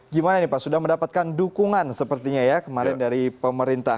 gimana nih pak sudah mendapatkan dukungan sepertinya ya kemarin dari pemerintah